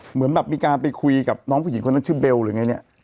เหมือนแบบมีการไปคุยกับน้องผู้หญิงคนนั้นชื่อเบลหรือไงเนี่ย